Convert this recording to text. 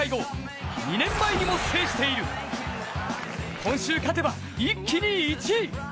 今週、勝てば、一気に１位。